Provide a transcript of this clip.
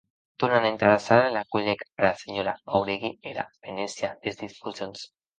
Tornant entara sala, la cuelhec ara senhora Jáuregui era frenesia des disposicions.